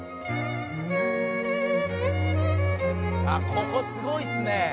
ここすごいっすね